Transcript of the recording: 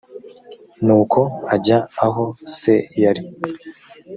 nuko ajya aho se yari